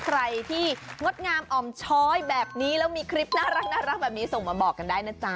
ใครที่งดงามอ่อมช้อยแบบนี้แล้วมีคลิปน่ารักแบบนี้ส่งมาบอกกันได้นะจ๊ะ